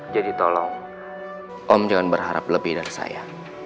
jadi tolong om jangan berharap lebih dari saya